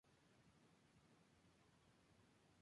El personaje es interpretado por el actor Michael Dorn.